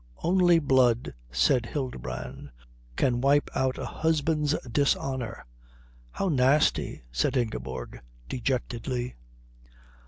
"Only blood," said Hildebrand, "can wipe out a husband's dishonour." "How nasty!" said Ingeborg dejectedly.